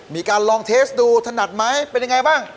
มีการลองเทสดูถนัดไหมเป็นยังไงบ้าง